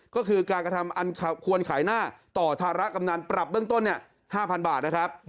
ก็คือการกระทำอันควรขายหน้าต่อธาระกำนันปรับเบื้องต้น๕๐๐บาทนะครับ